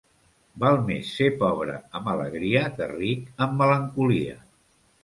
Val més ser pobre amb alegria que ric amb melancolia.